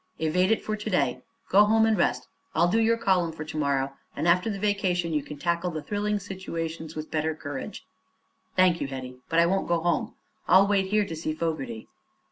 "Evade it for to day. Go home and rest. I'll do your column for to morrow, and after the vacation you can tackle the thrilling situations with better courage." "Thank you, Hetty. But I won't go home. I'll wait here to see Fogerty."